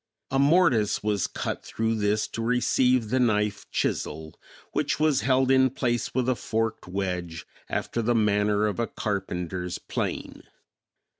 A mortise was cut through this to receive the knife chisel, which was held in place with a forked wedge after the manner of a carpenter's plane.